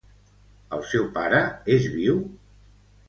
El seu pare és viu?